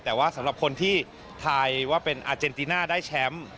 แต่ว่าสำหรับคนที่ทายว่าเป็นอาเจนติน่าได้แชมป์